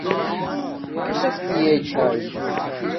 کسک پیے چھاݵ